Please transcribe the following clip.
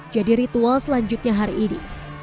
jadi ritual selanjutnya hari ini